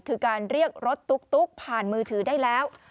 คือการเรียกรถตุ๊กผ่านมือถือได้แล้ว